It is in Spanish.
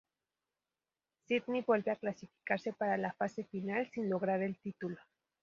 Sydney vuelve a clasificarse para la fase final, sin lograr el título.